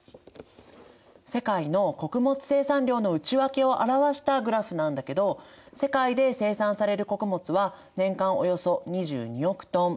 世界の穀物生産量の内訳を表したグラフなんだけど世界で生産される穀物は年間およそ２２億トン。